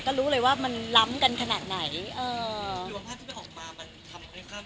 ก็รู้เลยว่ามันล้ำกันขนาดไหนเออที่มันออกมามันทำให้ค่าแบบ